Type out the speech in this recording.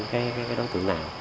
cái đối tượng nào